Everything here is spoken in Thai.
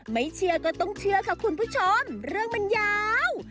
ไม่เชื่อก็ต้องเชื่อค่ะคุณผู้ชมเรื่องมันยาว